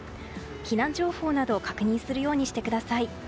避難情報などを確認するようにしてください。